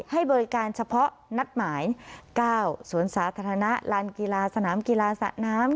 ให้บริการเฉพาะนัดหมาย๙สวนสาธารณะลานกีฬาสนามกีฬาสระน้ำ